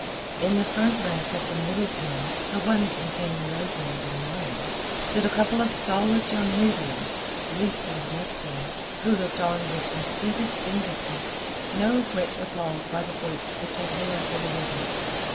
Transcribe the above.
In the front rank of the middle pen—the one containing Rosamund and Lionel—stood a couple of stalwart young Nubians, sleek and muscular, who looked on with completest indifference, no whit appalled by the fate which had haled them thither.